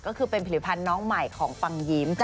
ก็คือเป็นผลิตภัณฑ์น้องใหม่ของปังยิ้ม